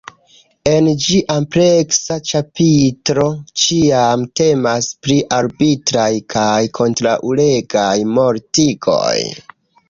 En ĝi ampleksa ĉapitro ĉiam temas pri “arbitraj kaj kontraŭleĝaj mortigoj.